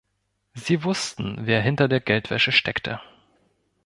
Sie wussten, wer hinter der Geldwäsche steckte.